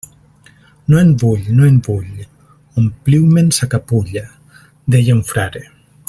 No en vull, no en vull... ompliu-me'n sa capulla... deia un frare.